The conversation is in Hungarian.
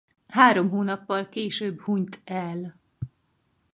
Három hónappal később hunyt el.